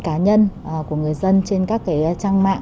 cá nhân của người dân trên các trang mạng